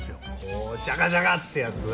こうジャカジャカってやつ。